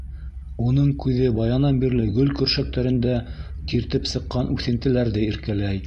Уның күҙе баянан бирле гөл көршәктәрендә тиртеп сыҡҡан үҫентеләрҙе иркәләй.